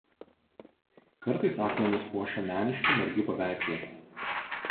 Kartais akmenis puošia meniški margi paveikslai.